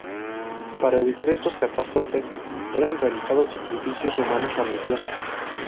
Para evitar esas catástrofes eran realizados sacrificios humanos a los dioses.